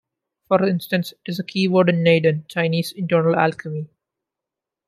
For instance, it is a keyword in "Neidan" "Chinese internal alchemy".